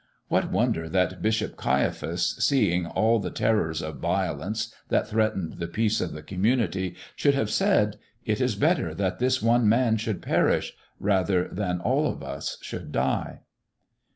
What wonder that Bishop Caiaphas, seeing all the terrors of violence that threatened the peace of the community, should have said: "It is better that this one Man should perish rather than all of us should die."